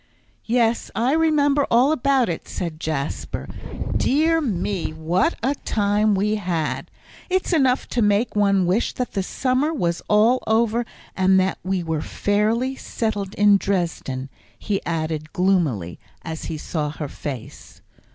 "Yes, I remember all about it," said Jasper; "dear me, what a time we had! It's enough to make one wish that the summer was all over, and that we were fairly settled in Dresden," he added gloomily, as he saw her face.